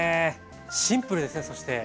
シンプルですねそして。